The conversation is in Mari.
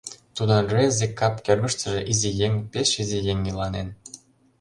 Тудын рвезе кап кӧргыштыжӧ изи еҥ, пеш изи еҥ, иланен.